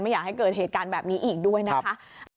อยากให้เกิดเหตุการณ์แบบนี้อีกด้วยนะคะ